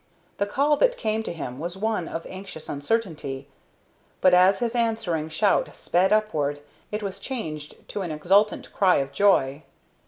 The call that came to him was one of anxious uncertainty; but, as his answering shout sped upward, it was changed to an exultant cry of joy.